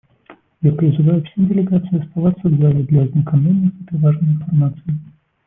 Я призываю все делегации оставаться в зале для ознакомления с этой важной информацией.